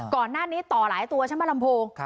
ก่อนหน้านี้ต่อหลายตัวใช่ไหมลำโพง